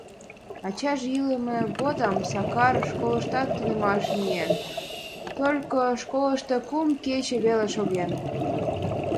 Ачаже илыме годым Сакар школышкат тунемаш миен, только школышто кум кече веле шоген.